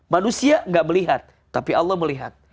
manusia gak melihat tapi allah melihat